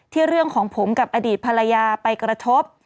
เรื่องของผมกับอดีตภรรยาไปกระทบ